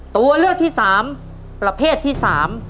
ตัวเลือกที่สามประเภทที่สาม